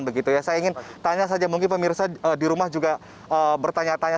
saya ingin tanya saja mungkin pemirsa di rumah juga bertanya tanya